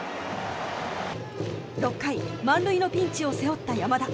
６回満塁のピンチを背負った山田。